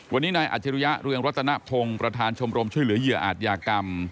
วันนี้ในอาจรุยะเรืองรัตนาทงประธานชมรมช่วยเหลือเหยื่ออาธิกรรม